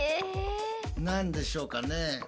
何でしょうかね？